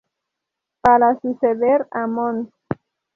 Para suceder a mons.